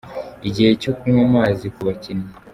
Igihe cyo kunywa amazi ku bakinnyi.